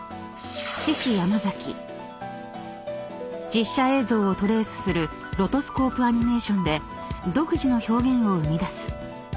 ［実写映像をトレースするロトスコープアニメーションで独自の表現を生み出す］